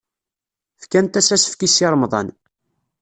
Fkant-as asefk i Si Remḍan.